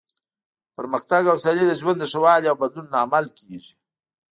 پرمختګ او سیالي د ژوند د ښه والي او بدلون لامل کیږي.